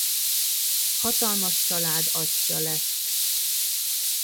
Hatalmas család atyja lett.